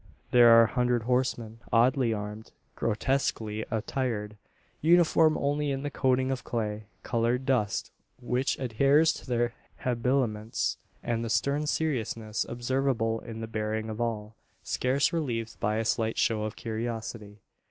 There are a hundred horsemen, oddly armed, grotesquely attired uniform only in the coating of clay coloured dust which adheres to their habiliments, and the stern seriousness observable in the bearing of all; scarce relieved by a slight show of curiosity.